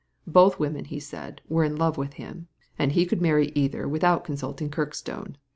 Both women, he said, were in love with him, and he could marry either without consulting Kirkstone.